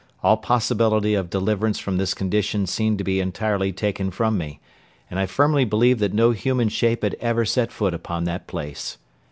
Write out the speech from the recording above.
All possibility of deliverance from this condition seemed to be entirely taken from me; and I firmly believe that no human shape had ever set foot upon that place.